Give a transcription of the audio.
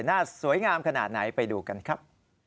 หน้าสวยงามขนาดไหนไปดูกันครับ